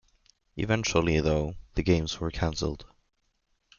Eventually, though, the Games were canceled.